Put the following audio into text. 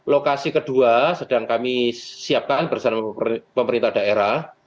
lokasi kedua sedang kami siapkan bersama pemerintah daerah